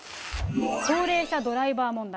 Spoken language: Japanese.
高齢者ドライバー問題。